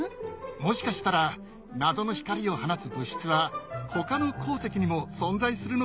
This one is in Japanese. もしかしたら謎の光を放つ物質はほかの鉱石にも存在するのかもしれないね。